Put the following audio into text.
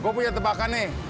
gue punya tebakan nih